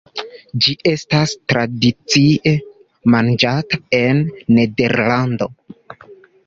Ĝi estas tradicie manĝata en Nederlando.